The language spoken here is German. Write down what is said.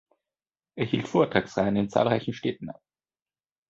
Er hielt Vortragsreihen in zahlreichen Städten ab.